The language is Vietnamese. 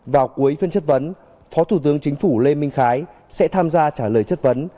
vào cuối phiên chất vấn phó thủ tướng chính phủ lê minh khái sẽ tham gia trả lời chất vấn